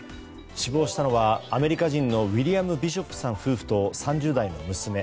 死亡したのはアメリカ人のウィリアム・ビショップさん夫婦と３０代の娘。